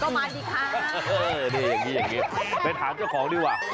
ก็มาดีค่ะเป็นหาเจ้าของดีกว่า